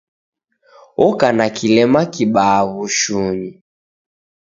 Oka na kilema kibaa w'ushunyi.